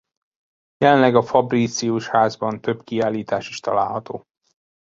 Jelenleg a Fabricius-házban több kiállítás is található.